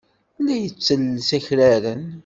La yettelles akraren.